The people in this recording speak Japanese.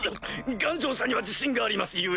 頑丈さには自信があります故。